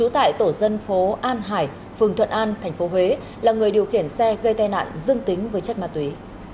trong phố an hải phường thuận an thành phố huế là người điều khiển xe gây tai nạn dương tính với chất ma túy